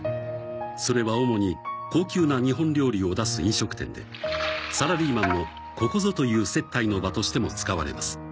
それは主に高級な日本料理を出す飲食店でサラリーマンのここぞという接待の場としても使われます。